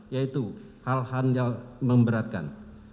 yaitu hal hal yang memberatkan